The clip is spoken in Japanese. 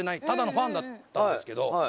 ただのファンだったんですけど。